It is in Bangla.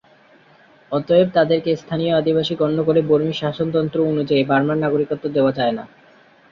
অতএব তাদেরকে স্থানীয় আদিবাসী গণ্য করে বর্মি শাসনতন্ত্র অনুযায়ী বার্মার নাগরিকত্ব দেওয়া যায় না।